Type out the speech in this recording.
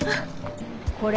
これ？